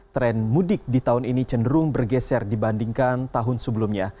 tren mudik di tahun ini cenderung bergeser dibandingkan tahun sebelumnya